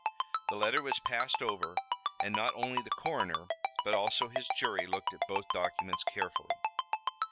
The letter was passed over and not only the coroner, but also his jury, looked at both documents carefully.